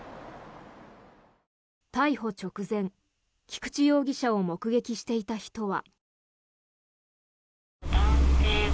逮捕直前、菊池容疑者を目撃していた人は。